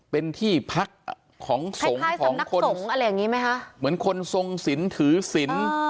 เป็นที่พักของสงสมนักสงอะไรอย่างงี้ไหมฮะเหมือนคนทรงสินถือสิน